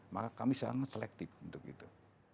maka kami sangat selektif untuk itu